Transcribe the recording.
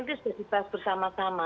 itu sudah dibahas bersama sama